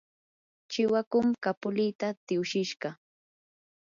chiwakum kapulita tiwshishqa.